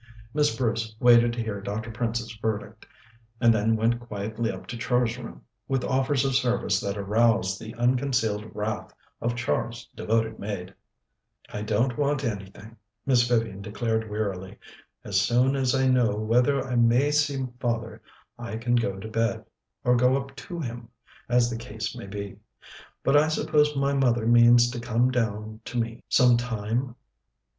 Miss Bruce waited to hear Dr. Prince's verdict, and then went quietly up to Char's room, with offers of service that aroused the unconcealed wrath of Char's devoted maid. "I don't want anything," Miss Vivian declared wearily. "As soon as I know whether I may see father, I can go to bed or go up to him, as the case may be. But I suppose my mother means to come down to me some time?"